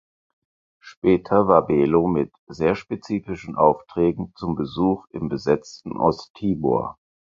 Später war Belo mit „sehr spezifischen Aufträgen“ zu Besuch im besetzten Osttimor.